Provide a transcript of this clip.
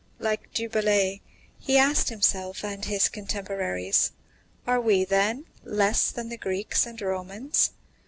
Like du Bellay, he asked himself and his contemporaries: "Are we, then, less than the Greeks and Romans?"